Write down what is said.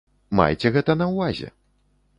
Майце гэта на ўвазе.